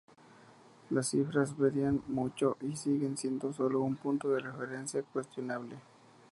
Las cifras varían mucho, y siguen siendo solo un punto de referencia cuestionable.